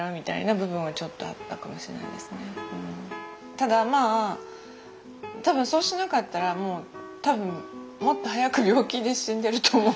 ただまあ多分そうしなかったらもう多分もっと早く病気で死んでると思う。